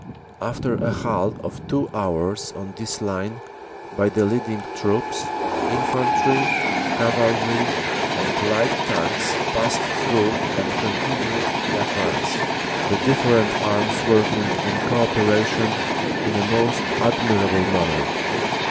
"After a halt of two hours on this line by the leading troops, infantry, cavalry and light tanks passed through and continued the advance, the different arms working in co operation in a most admirable manner.